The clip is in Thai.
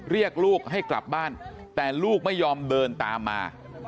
เรียกลูกให้กลับบ้านแต่ลูกไม่ยอมเดินตามมา